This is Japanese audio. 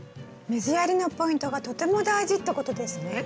水やりのポイントがとても大事ってことですね。